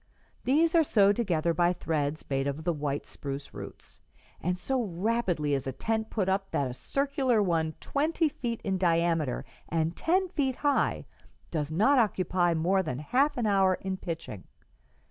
These are sewed together by threads made of the white spruce roots; and so rapidly is a tent put up that a circular one twenty feet in diameter and ten feet high does not occupy more than half an hour in pitching.